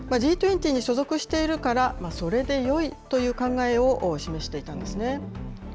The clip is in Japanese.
Ｇ２０に所属しているから、それでよいという考えを示していたんですね。